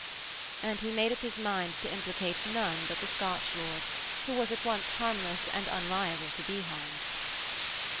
and he made up his mind to implicate none but the Scotch lord, who was at once harmless and unliable to be harmed.